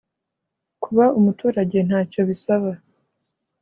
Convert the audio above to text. kuba umuturage ntacyo bisaba